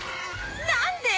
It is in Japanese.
何で？